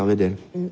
うん。